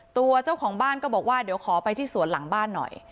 ตัวเจ้าของบ้านก็บอกว่าเดี๋ยวขอไปที่สวนหลังบ้านหน่อย